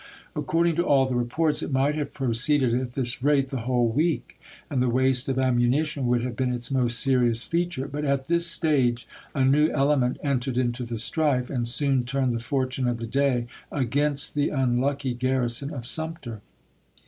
According to all the reports, it might have proceeded at this rate the whole week, and the waste of ammunition would have been its most serious feature. But at this stage a new element entered into the strife, and soon turned the fortune of the day against the unlucky garrison of Sumter.